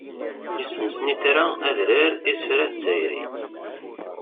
Issen snitra, adrar, isefra d tayri.